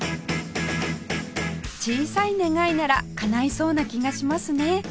小さい願いならかないそうな気がしますね